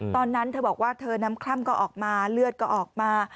ตอนนั้นเธอบอกว่าเธอน้ำคล่ำก็ออกมาเลือดก็ออกมา